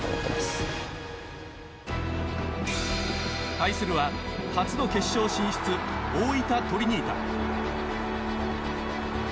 対するは、初の決勝進出大分トリニータ。